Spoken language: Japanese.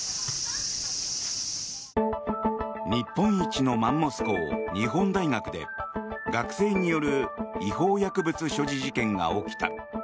日本一のマンモス校日本大学で学生による違法薬物所持事件が起きた。